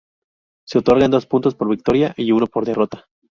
Se otorgan dos puntos por victoria y uno por derrota.